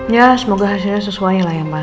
ya semoga hasilnya sesuai lah ya mas